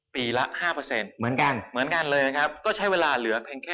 ปีละ๕เหมือนกัน